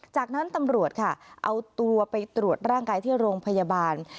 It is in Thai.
จากนั้นตำรวจค่ะเอาตัวไปตรวจร่างกายที่โรงพยาบาล